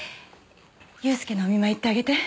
祐介のお見舞い行ってあげて。